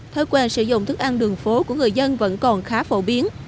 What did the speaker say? thói quen sử dụng thức ăn đường phố của người dân vẫn còn khá phổ biến